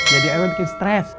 jadi rw bikin stress